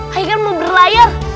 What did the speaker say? haikal mau berlayar